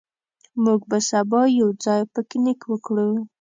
موږ به سبا یو ځای پکنیک وکړو.